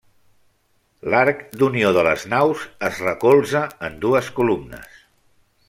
L'arc d’unió de les naus es recolza en dues columnes.